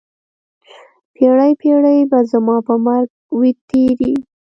پیړۍ، پیړۍ به زما په مرګ وي تېرې